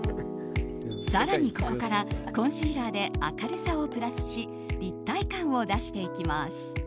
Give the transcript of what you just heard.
更に、ここからコンシーラーで明るさをプラスし立体感を出していきます。